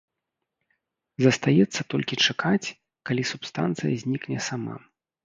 Застаецца толькі чакаць, калі субстанцыя знікне сама.